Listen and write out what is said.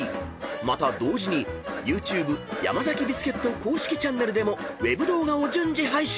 ［また同時にＹｏｕＴｕｂｅヤマザキビスケット公式チャンネルでもウェブ動画を順次配信。